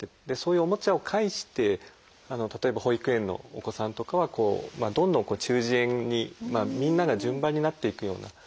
でそういうおもちゃを介して例えば保育園のお子さんとかはこうどんどんこう中耳炎にみんなが順番になっていくような。